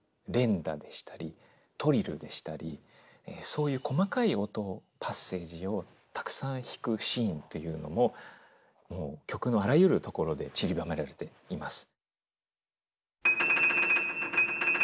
そういう細かい音パッセージをたくさん弾くシーンというのも曲のあらゆるところでちりばめられています。